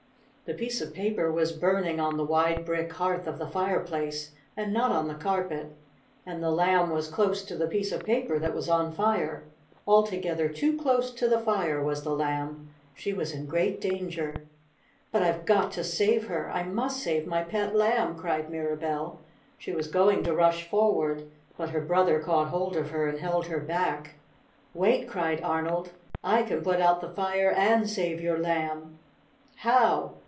The piece of paper was burning on the wide brick hearth of the fireplace, and not on the carpet, and the Lamb was close to the piece of paper that was on fire. Altogether too close to the fire was the Lamb. She was in great danger. "But I've got to save her! I must save my pet Lamb!" cried Mirabell. She was going to rush forward, but her brother caught hold of her and held her back. "Wait!" cried Arnold. "I can put out the fire and save your Lamb." "How!"